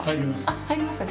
あっ、入りますか。